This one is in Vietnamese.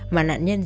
mà nạn nhân